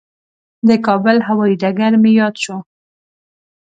د کابل هوایي ډګر مې یاد شو.